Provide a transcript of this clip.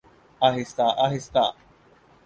آہستہ آہستہ۔